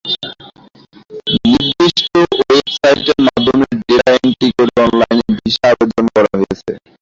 নির্দিষ্ট ওয়েবসাইটের মাধ্যমে ডেটা এন্ট্রি করে অনলাইনে ভিসার আবেদন করা হয়েছে।